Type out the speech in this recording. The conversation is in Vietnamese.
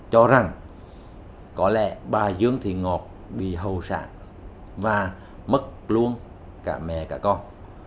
cho rằng có lẽ bà dương thị ngọt bị hầu sát và mất luôn cả mẹ cả con